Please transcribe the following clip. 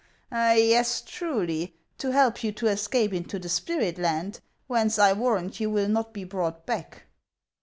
" Yes, truly .' to help you to escape into the spirit laud, whence I warrant you will not l)e brought back."